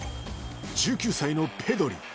１９歳のペドリ。